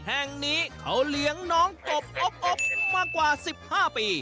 แห่งนี้เขาเลี้ยงน้องกบอบมากว่า๑๕ปี